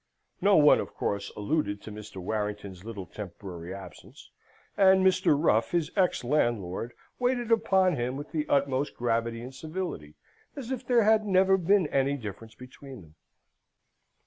No one, of course, alluded to Mr. Warrington's little temporary absence, and Mr. Ruff, his ex landlord, waited upon him with the utmost gravity and civility, and as if there had never been any difference between them.